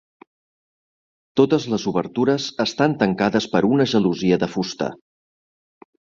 Totes les obertures estan tancades per una gelosia de fusta.